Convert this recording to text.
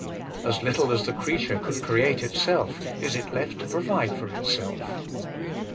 As little as the creature could create itself, is it left to provide for itsell The 26 WAITING ON GOD!